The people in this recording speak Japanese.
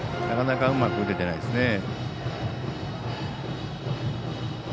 なかなか、うまく打ててないです。